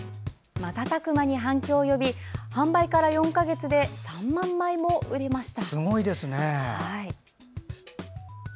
瞬く間に反響を呼び販売から４か月で３万枚も売りました。